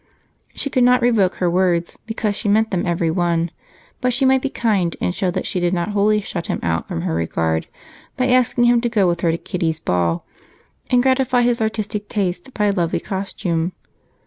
She could not revoke her words, because she meant them every one, but she might be kind and show that she did not wholly shut him out from her regard by asking him to go with her to Kitty's ball and gratify his artistic taste by a lovely costume.